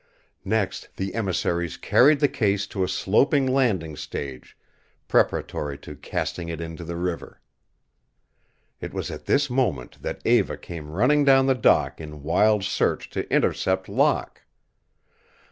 Next the emissaries carried the case to a sloping landing stage, preparatory to casting it into the river. It was at this moment that Eva came running down the dock in wild search to intercept Locke.